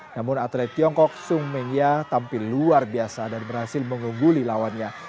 namun atlet tiongkok sun mengya tampil luar biasa dan berhasil mengungguli lawannya